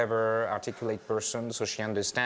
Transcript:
mengikuti kepercayaan mereka